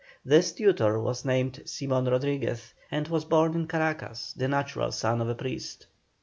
This tutor was named Simon Rodriguez, and was born in Caracas, the natural son of a priest.